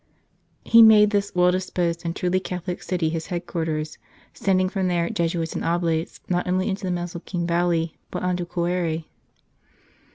He made this well disposed and truly Catholic city his headquarters, sending from there Jesuits and Oblates not only into the Mesolcine Valley, but on to Coire.